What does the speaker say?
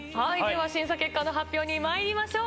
審査結果の発表にまいりましょう。